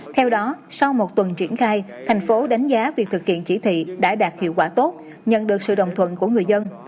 theo đó sau một tuần triển khai thành phố đánh giá việc thực hiện chỉ thị đã đạt hiệu quả tốt nhận được sự đồng thuận của người dân